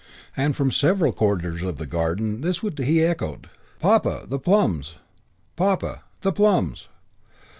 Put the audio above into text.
and from several quarters of the garden this would he echoed "Papa, the plums!" "Papa, the plums!"